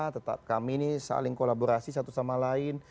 tetap kami ini saling kolaborasi satu sama lain